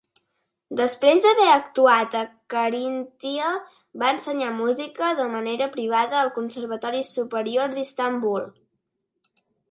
Després d'haver actuat a Caríntia, va ensenyar música de manera privada al Conservatori Superior d'Istanbul.